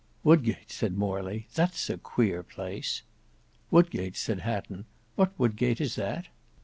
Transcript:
"Wodgate," said Morley, "that's a queer place." "Wodgate," said Hatton, "what Wodgate is that?"